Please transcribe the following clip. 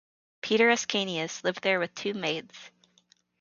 Peter Ascanius lived there with two maids.